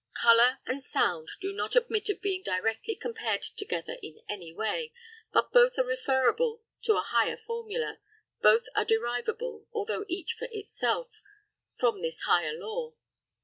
Colour and sound do not admit of being directly compared together in any way, but both are referable to a higher formula, both are derivable, although each for itself, from this higher law.